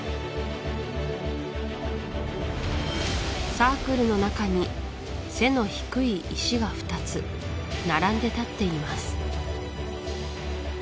サークルの中に背の低い石が２つ並んで立っています